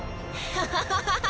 ハハハハハ！